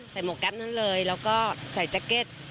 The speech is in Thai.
หมวกแป๊บนั้นเลยแล้วก็ใส่แจ็คเก็ต